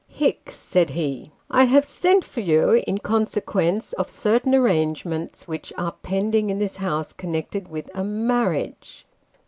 " Hicks," said he, " I have sent for you, in consequence of certain arrangements which are pending in this house, connected with a marriage."